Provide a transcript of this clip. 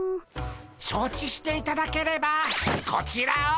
承知していただければこちらを。